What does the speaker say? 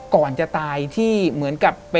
ก่อนจะตายที่เหมือนกับ